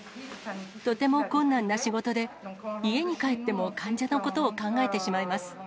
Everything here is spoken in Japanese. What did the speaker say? とても困難な仕事で、家に帰っても患者のことを考えてしまいます。